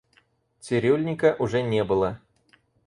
Цирюльника уже не было.